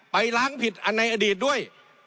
ไปล้างผิดอันในอดีตด้วย